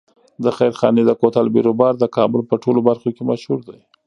د خیرخانې د کوتل بیروبار د کابل په ټولو برخو کې مشهور دی.